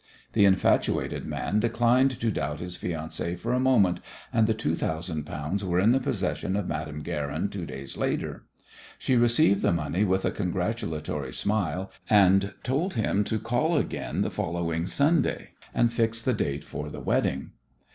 The infatuated man declined to doubt his fiancée for a moment, and the two thousand pounds were in the possession of Madame Guerin two days later. She received the money with a congratulatory smile, and told him to call again the following Sunday and fix the date for the wedding.